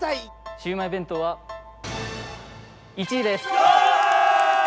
シウマイ弁当は１位です。